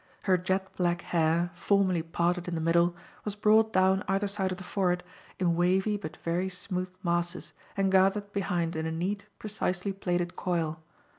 Her jet black hair, formally parted in the middle, was brought down either side of the forehead in wavy, but very smooth, masses and gathered behind in a neat, precisely plaited coil.